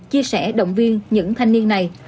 chia sẻ động viên những thanh niên này